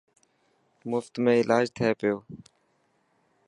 مفت ۾ الاج ٿي پيو.